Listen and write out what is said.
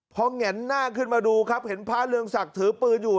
พอแง่นหน้าขึ้นมาดูครับเห็นพระเรืองศักดิ์ถือปืนอยู่